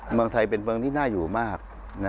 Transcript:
เมืองไทยเป็นเมืองที่น่าอยู่มาก